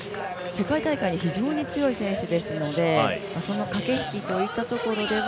世界大会に非常に強い選手ですので、その駆け引きといったところでは、